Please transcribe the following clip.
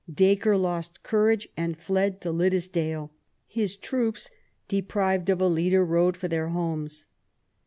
Dacre lost courage and fled to Liddesdale ; his troops, deprived of a leader, rode for their homes.